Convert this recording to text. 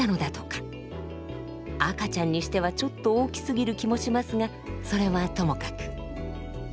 赤ちゃんにしてはちょっと大きすぎる気もしますがそれはともかく。